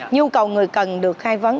nhu cầu người cần được khai vấn